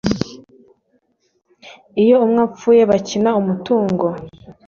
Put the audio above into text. iyo umwe apfuye bakibana umutungo